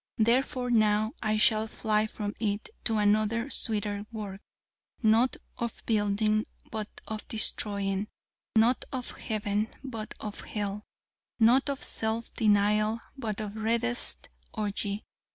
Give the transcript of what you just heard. Therefore now I shall fly from it, to another, sweeter work not of building, but of destroying not of Heaven, but of Hell not of self denial, but of reddest orgy.